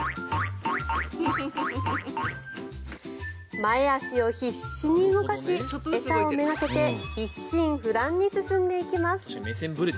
前足を必死に動かし餌をめがけて一心不乱に進んでいきます。